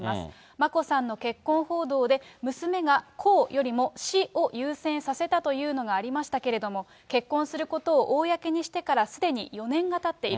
眞子さんの結婚報道で、娘が公よりも私を優先させたというのがありましたけれども、結婚することをおおやけにしてからすでに４年がたっている。